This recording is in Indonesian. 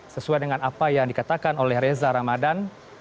sesuai dengan apa yang dikatakan oleh reza ramadan